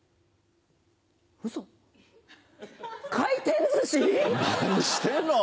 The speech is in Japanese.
ウソ回転寿司⁉何してんの？